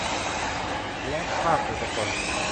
และภาคเอกชน